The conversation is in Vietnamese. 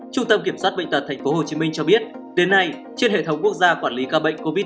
trung tâm kiểm soát bệnh tật tp hcm cho biết đến nay trên hệ thống quốc gia quản lý ca bệnh covid một mươi chín